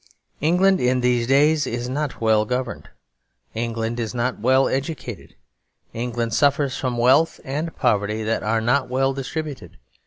England in these days is not well governed; England is not well educated; England suffers from wealth and poverty that are not well distributed.